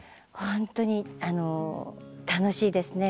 ほんとに楽しいですね。